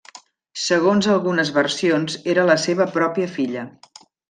Segons algunes versions era la seva pròpia filla.